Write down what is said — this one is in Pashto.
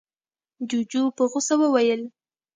جُوجُو په غوسه وويل: